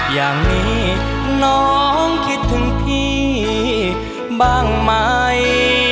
อย่างนี้น้องคิดถึงพี่บ้างไหม